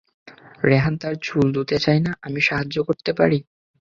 রেহান তার চুল ধুতে চায় না, - আমি সাহায্য করতে পারি?